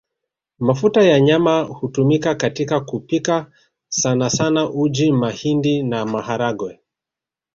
Mafuta ya nyama hutumika katika kupika sanasana uji mahindi na maharagwe